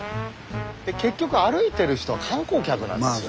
結局歩いてる人は観光客なんですよ。